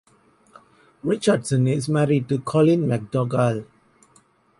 Richardson is married to Colin MacDougall.